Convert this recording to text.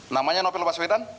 namanya nopi lepaswetan